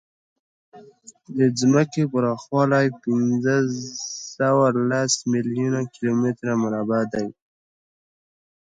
د ځمکې پراخوالی پینځهسوهلس میلیونه کیلومتره مربع دی.